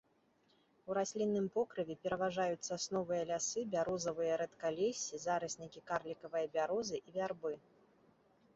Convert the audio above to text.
У раслінным покрыве пераважаюць сасновыя лясы, бярозавыя рэдкалессі, зараснікі карлікавай бярозы і вярбы.